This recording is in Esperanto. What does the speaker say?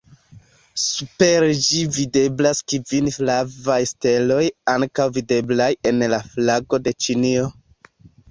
Super ĝi videblas kvin flavaj steloj ankaŭ videblaj en la flago de Ĉinio.